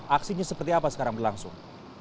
aksinya seperti apa sekarang berlangsung